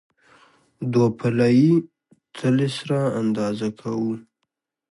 دوه پله یي تلې سره اندازه کوو.